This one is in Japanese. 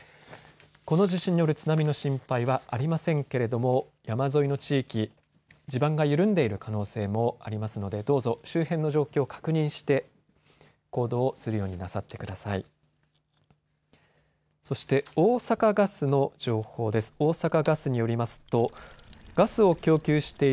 この地震による津波の心配はありませんけれども山沿いの地域、地盤が緩んでいる可能性もありますのでどうぞ周辺の状況を確認して行動するようになさってください。